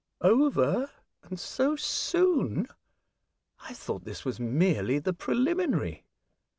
" Over ; and so soon ! I thought this was merely the preliminary.